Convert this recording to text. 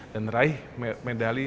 dan raih medali